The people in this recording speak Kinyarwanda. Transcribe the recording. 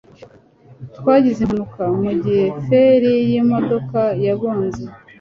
Twagize impanuka mugihe feri yimodoka yagonze